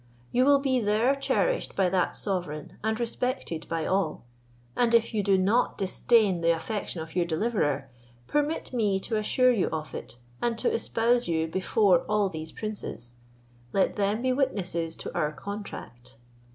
You will be there cherished by that sovereign, and respected by all; and if you do not disdain the affection of your deliverer, permit me to assure you of it, and to espouse you before all these princes; let them be witnesses to our contract."